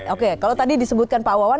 oke kalau tadi disebutkan pak wawan